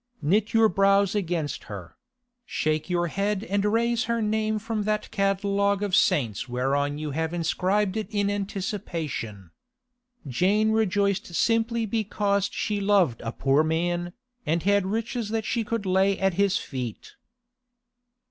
Knit your brows against her; shake your head and raze her name from that catalogue of saints whereon you have inscribed it in anticipation. Jane rejoiced simply because she loved a poor man, and had riches that she could lay at his feet.